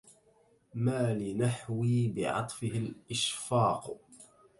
مال نحوي بعطفه الاشفاق